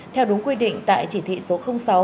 theo đúng quy định tại chủ nhà hàng